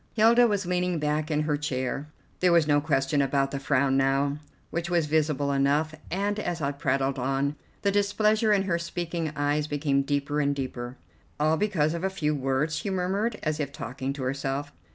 Hilda was leaning back in her chair; there was no question about the frown now, which was visible enough, and, as I prattled on, the displeasure in her speaking eyes became deeper and deeper. "All because of a few words!" she murmured, as if talking to herself.